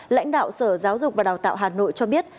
lãnh đạo sở giáo dục và đào tạo hà nội cho biết